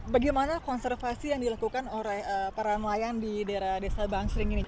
bagaimana konservasi yang dilakukan peran nelayan di daerah desa bang sling ini